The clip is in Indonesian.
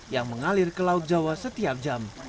yang mengalir ke laut jawa setiap jam